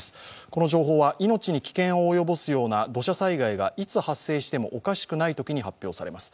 この情報は命に危険を及ぼすような土砂災害がいつ発生してもおかしくないときに発表されます。